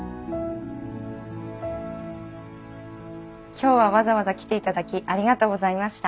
今日はわざわざ来ていただきありがとうございました。